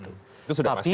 itu sudah pasti kan